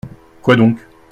Quoi donc ?